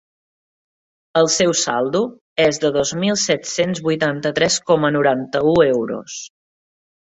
El seu saldo és de dos mil set-cents vuitanta-tres coma noranta-u euros.